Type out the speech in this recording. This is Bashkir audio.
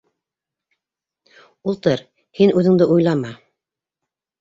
Ултыр, һин үҙеңде уйлама!